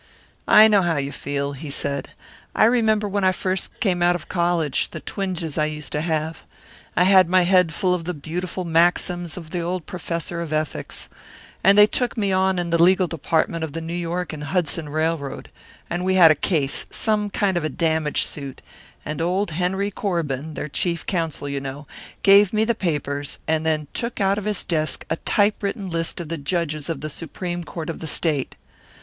"I know how you feel," he said. "I remember when I first came out of college, the twinges I used to have. I had my head full of all the beautiful maxims of the old Professor of Ethics. And they took me on in the legal department of the New York and Hudson Railroad, and we had a case some kind of a damage suit; and old Henry Corbin their chief counsel, you know gave me the papers, and then took out of his desk a typewritten list of the judges of the Supreme Court of the State.